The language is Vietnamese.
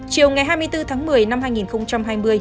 chiều ngày hai mươi bốn tháng một mươi năm hai nghìn hai mươi